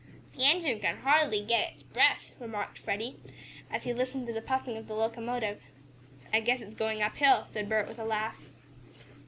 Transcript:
"The engine can hardly get its breath," remarked Freddie, as he listened to the puffing of the locomotive. "I guess it's going up hill," said Bert, with a laugh.